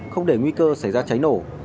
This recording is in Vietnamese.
không để nguy cơ xảy ra cháy nổ